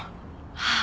はあ？